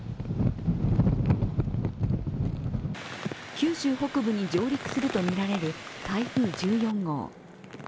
九州北部に上陸するとみられる台風１４号。